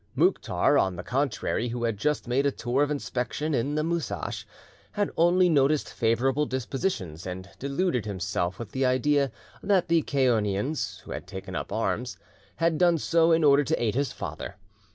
Mouktar, on the contrary, who had just made a tour of inspection in the Musache, had only noticed favourable dispositions, and deluded himself with the idea that the Chaonians, who had taken up arms, had done so in order to aid his father.